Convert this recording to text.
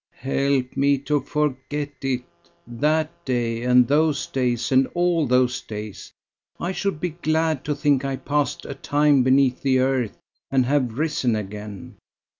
"Help me to forget it that day, and those days, and all those days! I should be glad to think I passed a time beneath the earth, and have risen again.